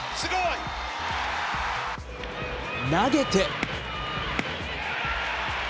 投げて。